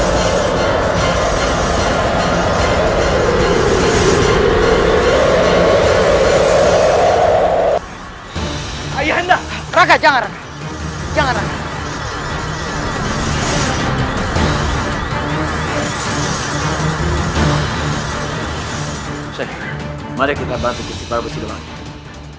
lukci mari kita bangkit ke punk